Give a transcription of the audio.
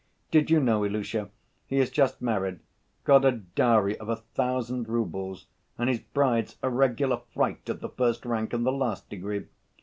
Did you know, Ilusha, he is just married, got a dowry of a thousand roubles, and his bride's a regular fright of the first rank and the last degree.